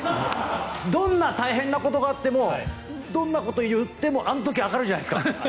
どんな大変なことがあってもどんなことを言ってもあの時は明るいじゃないですか。